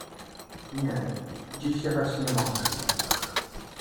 — Nie, dziś jechać nie możesz, moja droga.